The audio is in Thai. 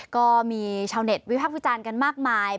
ก็มีชาวเน็ตวิพักษ์วิจารณ์กันมากมาย